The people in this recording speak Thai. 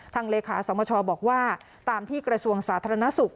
เลขาสมชบอกว่าตามที่กระทรวงสาธารณสุข